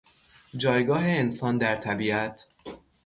جایگاه انسان در طبیعت